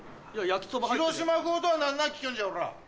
広島風とは何なん聞きよんじゃおら。